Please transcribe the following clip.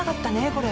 これ。